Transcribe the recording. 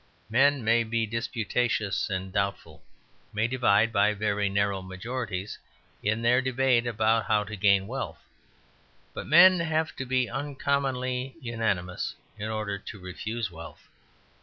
Men may be disputatious and doubtful, may divide by very narrow majorities in their debate about how to gain wealth. But men have to be uncommonly unanimous in order to refuse wealth.